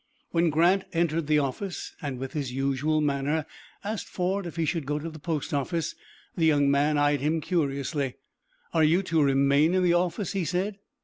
When Grant entered the office, and with his usual manner asked Ford if he should go to the post office, the young man eyed him curiously. "Are you to remain in the office?" he said.